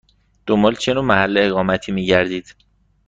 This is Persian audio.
دنبال چه نوع محل اقامتی می گردید؟